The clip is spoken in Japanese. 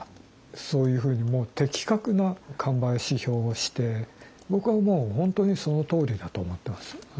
そういうふうにもう的確な神林評をして僕はもう本当にそのとおりだと思っています。